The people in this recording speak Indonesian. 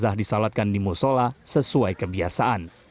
jenazah disalatkan di musola sesuai kebiasaan